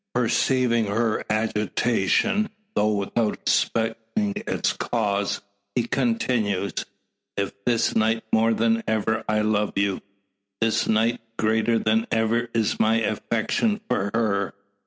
Perceiving her agitation, though without suspecting its cause, he continues: "If this night more than ever I love you, this night greater than ever is my affection for her.